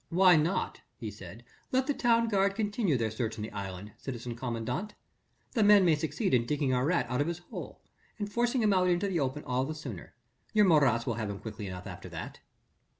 "Why not," he said, "let the town guard continue their search on the island, citizen commandant? The men may succeed in digging our rat out of his hole and forcing him out into the open all the sooner. Your Marats will have him quickly enough after that."